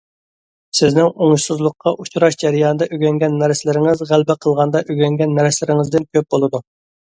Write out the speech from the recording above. سىزنىڭ ئوڭۇشسىزلىققا ئۇچراش جەريانىدا ئۆگەنگەن نەرسىلىرىڭىز، غەلىبە قىلغاندا ئۆگەنگەن نەرسىلىرىڭىزدىن كۆپ بولىدۇ.